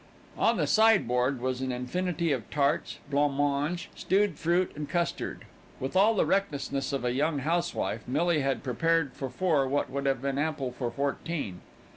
On the sideboard was an infinity of tarts, blanc mange, stewed fruit and custard. With all the recklessness of a young housewife, Millie had prepared for four what would have been ample for fourteen.